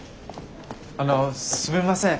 あのすみません。